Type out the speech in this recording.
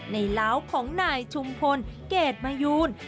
ในร้าวของหน่ายชุมพลเกดมายูน